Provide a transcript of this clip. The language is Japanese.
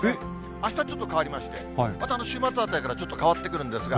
あしたちょっと変わりまして、また週末あたりからちょっと変わってくるんですが。